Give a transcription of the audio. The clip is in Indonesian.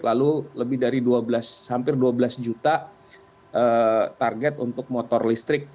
lalu lebih dari hampir dua belas juta target untuk motor listrik